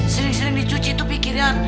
sering sering dicuci itu pikiran